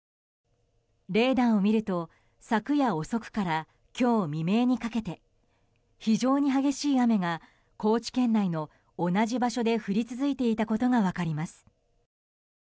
レーダーを見ると昨夜遅くから今日未明にかけて非常に激しい雨が高知県内の同じ場所で降り続いていたことが分かります。